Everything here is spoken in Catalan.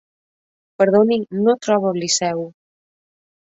Perdoni, no trobo el Liceu.